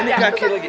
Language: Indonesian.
iiih ya pak ustadz